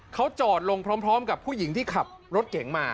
เขาจอดลงพร้อมกับผู้หญิงที่ขับรถเก๋งมา